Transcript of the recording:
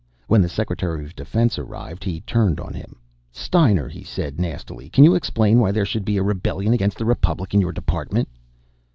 When the Secretary of Defense arrived, he turned on him. "Steiner," he said nastily, "can you explain why there should be a rebellion against the Republic in your department?"